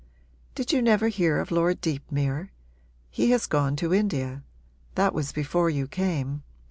'Did you never hear of Lord Deepmere? He has gone to India. That was before you came.